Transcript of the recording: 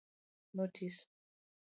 Notis;